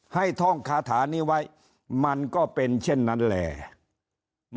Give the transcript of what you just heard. ท่องคาถานี้ไว้มันก็เป็นเช่นนั้นแหละ